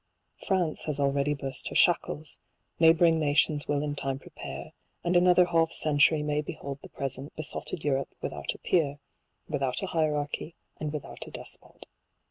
France has already burst her shackles ; neighbouring nations will in time prepare, and another half century may behold Y 170 the present besotted Europe without a peer, without a hierarchy, and without a despot.